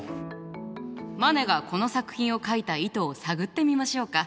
マネがこの作品を描いた意図を探ってみましょうか。